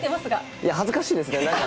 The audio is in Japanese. いや、恥ずかしいですね、なんか。